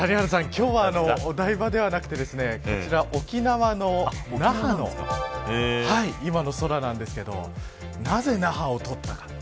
今日は、お台場ではなくてこちら、沖縄の那覇の今の空なんですがなぜ、那覇を撮ったか。